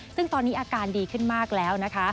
ซึ่งตอนนี้อาการดีขึ้นมากแล้วนะคะ